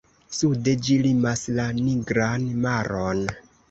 Sude ĝi limas la Nigran maron.